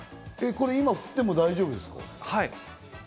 今、振っても大丈夫ですか？